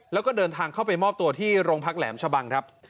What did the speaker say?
แล้วก็เดินทางเข้าไปมอบตัวที่โรงพักแหลมชะบังครับ